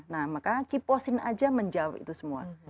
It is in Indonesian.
nah maka kiposin aja menjawab itu semua